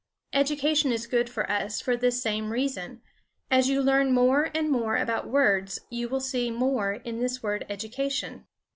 Education is good for us for this same reason. As you learn more and more about words, you will see more in this word Education.